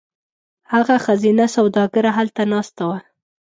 هغه ښځینه سوداګره هلته ناسته وه.